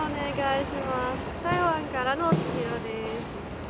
台湾からの千尋です。